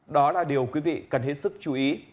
đó là điều quý vị cần hết sức chú ý